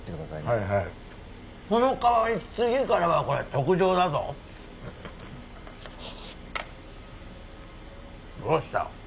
はいはいその代わり次からはこれ特上だぞどうした？